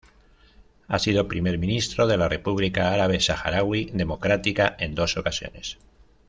Ha sido Primer Ministro de la República Árabe Saharaui Democrática en dos ocasiones.